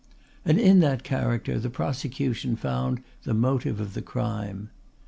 And in that character the prosecution found the motive of the crime.